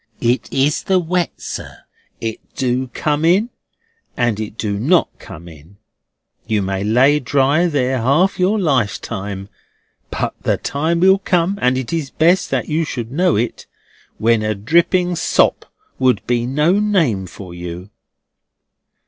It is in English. It is the wet, sir. It do come in, and it do not come in. You may lay dry there half your lifetime; but the time will come, and it is best that you should know it, when a dripping sop would be no name for you."